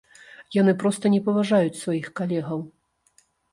Яны проста не паважаюць сваіх калегаў.